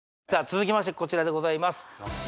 続きましてこちらでございます